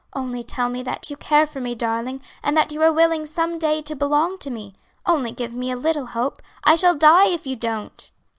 "Only tell me that you care for me, darling, and that you are willing some day to belong to me! only give me a little hope; I shall die if you don't!"